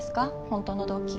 本当の動機。